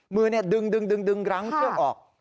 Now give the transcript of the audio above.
มือเนี่ยดึงดึงรั้งเชือกออก